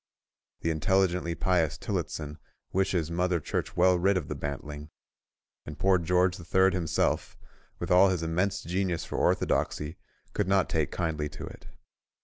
The intelligently pious Tillotson wishes Mother Church well rid of the bantling; and poor George the Third himself, with all his immense genius for orthodoxy, could not take kindly to it.